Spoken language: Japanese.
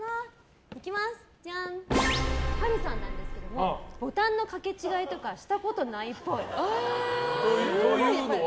波瑠さんなんですけどもボタンの掛け違いとかしたことないっぽい。というのは？